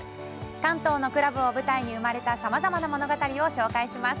関東のクラブを舞台に生まれたさまざまな物語を紹介します。